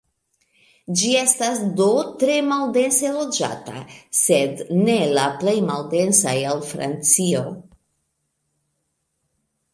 Ĝi estas do tre maldense loĝata, sed ne la plej maldensa el Francio.